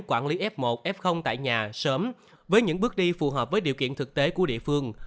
quản lý f một f tại nhà sớm với những bước đi phù hợp với điều kiện thực tế của địa phương